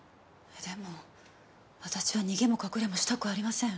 でも私は逃げも隠れもしたくありません。